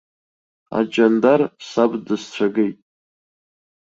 Аҷандар саб дысцәагеит.